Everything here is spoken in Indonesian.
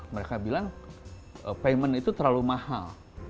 mereka bilang payment itu terlalu mahal